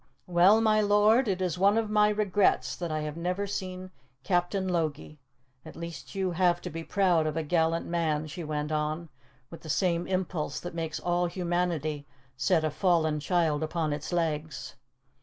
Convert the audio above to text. "Well, my lord, it is one of my regrets that I have never seen Captain Logie. At least you have to be proud of a gallant man," she went on, with the same impulse that makes all humanity set a fallen child upon its legs.